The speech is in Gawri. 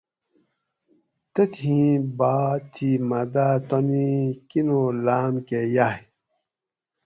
تتھیں باۤ تھی مہ داۤ تانی کینول لام کہ یاۤئ